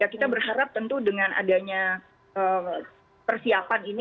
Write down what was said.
kita berharap tentu dengan adanya persiapan ini